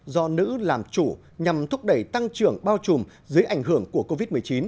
do nữ làm chủ nhằm thúc đẩy tăng trưởng bao trùm dưới ảnh hưởng của covid một mươi chín